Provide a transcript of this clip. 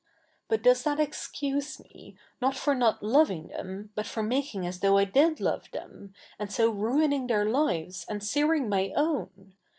But does thai excuse me, not for tiot loving thevi, but for making as though I did love them, and so ruining their lives and searing niy own